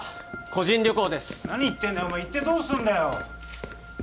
個人旅行です何言ってんだよお前行ってどうすんだよ